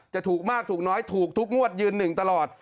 จะถูกมากถูกน้อยถูกทุกงวดยืนหนึ่งตลอด